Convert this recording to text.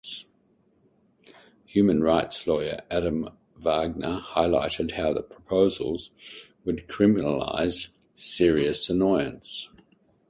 Human rights lawyer Adam Wagner highlighted how the proposals would criminalise "serious annoyance".